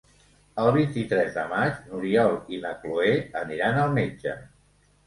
El vint-i-tres de maig n'Oriol i na Cloè aniran al metge.